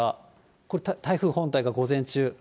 これ、台風本体が午前中。